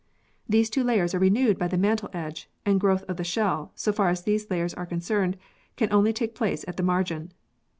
These two layers are renewed by the mantle edge, and growth of the shell, so far as these layers are concerned, can only take place at the margin.